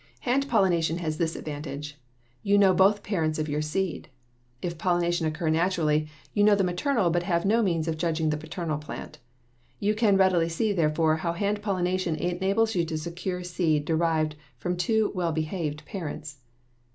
Hand pollination has this advantage you know both parents of your seed. If pollination occur naturally you know the maternal but have no means of judging the paternal parent. You can readily see, therefore, how hand pollination enables you to secure seed derived from two well behaved parents.